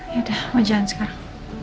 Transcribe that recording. yaudah aku jalan sekarang